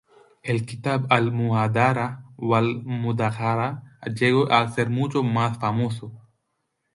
El "Kitab al-Muḥaḍarah wal-Mudhakarah" llegó a ser mucho más famoso.